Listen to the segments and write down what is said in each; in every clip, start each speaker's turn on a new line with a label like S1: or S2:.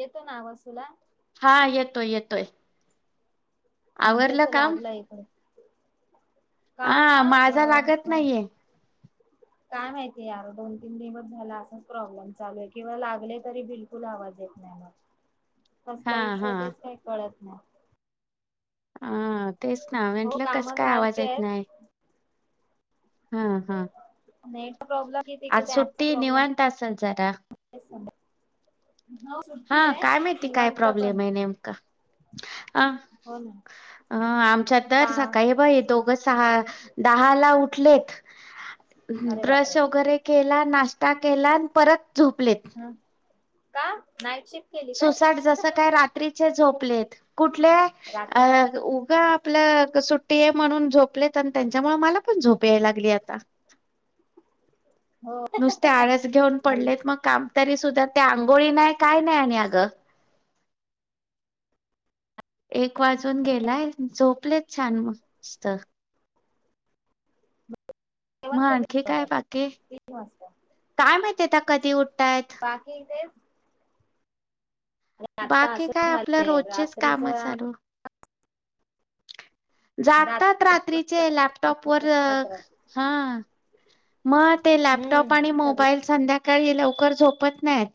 S1: येतो ना वसूला.
S2: हा येतोय येतोय. आवरलं
S1: म्हणजेच
S2: काम
S1: [unintelligible] काम
S2: हा
S1: म्हणा
S2: माझा लागत
S1: अ
S2: नाहीये
S1: काय माहिती? यार दोन तीन दिवस झाला, असच प्रॉब्लेम चालू आहे. किंवा लागले तरी बिलकुल आवाज येत नाही मग.
S2: हा
S1: कसला इशू
S2: हा
S1: तेच काय कळत [inaudible]
S2: हा तेच ना
S1: हो
S2: म्हटलं कस
S1: काम
S2: काय? आवाज
S1: झाली
S2: येत
S1: आहेत
S2: नाही. हा हा
S1: [unintelligible] कि
S2: आज
S1: तिकडे ऍपचा
S2: सु्टी
S1: प्रॉब्लेम
S2: निवंत असलं जरा.
S1: हो
S2: हा
S1: सुट्टी
S2: काय
S1: आहे
S2: माहिती काय
S1: निवांत पण
S2: प्रॉब्लेम आहे. नेमका अ
S1: हो ना
S2: आमच्या तर
S1: का
S2: सकाळी हे बाई दोघं सहा दहा ला उठलेत
S1: अरे बापरे
S2: ब्रश वगैरे केला नाश्ता केला परत झोपलेत.
S1: ह का नाईट शिफ्ट केली काय
S2: सुसाट जस काय रात्रीचे झोपलेत, कुठले अ
S1: रात्री
S2: उगा आपलं सुट्टी आहे म्हणून, झोपलेत त्यांच्यामुळे मला पण झोप याय लागली आता.
S1: हो
S2: नुसते आळस घेऊन
S1: हल्ली
S2: पडलेत, मग काम तरी सुद्धा ते आंघोळी नाही काय? [unintelligible] आग एक एक वाजून गेलाय, झोपलेत छान! मस्त.
S1: जेवण
S2: मग
S1: कधी
S2: आणखी
S1: करणार
S2: काय
S1: आता?
S2: बाकी
S1: तीन वाजता
S2: काय माहिती ते त कधी उठतायत
S1: बाकी ते आता
S2: बाकी
S1: असं
S2: काय? आपल्या
S1: झालंय
S2: रोजचेच काम
S1: रात्रीचा
S2: चालूं. जातात
S1: रात्र
S2: रात्रीचे
S1: दिवस
S2: लॅपटॉप वर
S1: रात्र
S2: हा मग ते लॅपटॉप
S1: हम्म
S2: आणि
S1: सगळं
S2: मोबाईल संध्या लवकर झोपत नाहीत.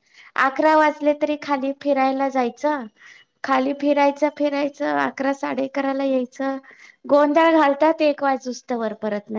S2: अकरा वाजले तरी खाली फिरायला जायचं, खाली फिरायचं फिरायचं अकरा साडेकराला यायचं गोंधळ घालतात. एक वाजूस्तवर परत न